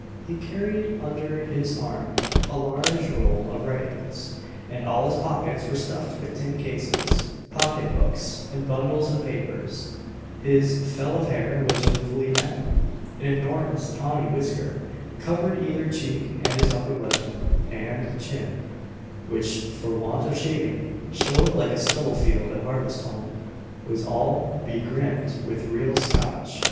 He carried under his arm a large roll of writings, and all his pockets were stuffed with tin cases, pocket books, and bundles of papers: his "fell of hair" was ruefully matted; an enormous tawny whisker covered either cheek and his upper lip and chin, which, for want of shaving, "showed like a stubble field at harvest home," was all begrimed with real Scotch.